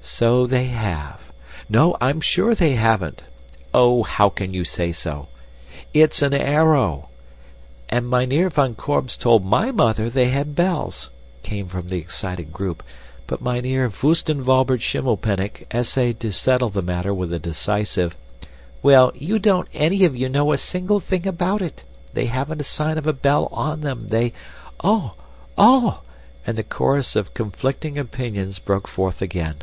"So they have"; "No, I'm sure they haven't"; "OH, how can you say so?"; "It's an arrow"; "And Mynheer van Korbes told MY mother they had bells" came from the excited group, but Mynheer Voostenwalbert Schimmelpenninck essayed to settle the matter with a decisive "Well, you don't any of you know a single thing about it; they haven't a sign of a bell on them, they " "Oh! oh!" and the chorus of conflicting opinions broke forth again.